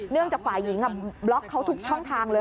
จากฝ่ายหญิงบล็อกเขาทุกช่องทางเลย